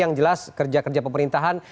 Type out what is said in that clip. yang jelas kerja kerja pemerintahan